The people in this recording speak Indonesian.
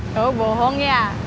tau bohong ya